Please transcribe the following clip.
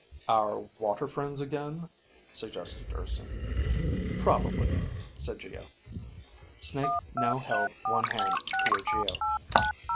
"Our water friends again?" suggested Urson. "Probably," said Geo. Snake now held one hand toward Geo.